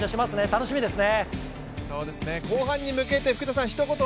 楽しみです。